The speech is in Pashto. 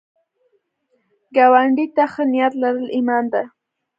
ګاونډي ته ښه نیت لرل ایمان ده